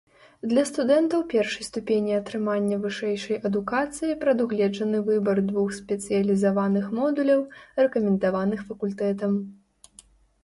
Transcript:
Для студэнтаў першай ступені атрымання вышэйшай адукацыі прадугледжаны выбар двух спецыялізаваных модуляў, рэкамендаваных факультэтам.